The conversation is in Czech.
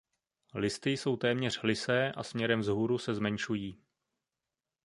Listy jsou téměř lysé a směrem vzhůru se zmenšují.